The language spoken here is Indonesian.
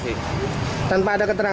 kota bogor mencapai dua puluh dua orang